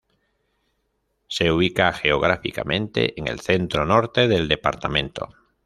Se ubica geográficamente en el centro norte del departamento.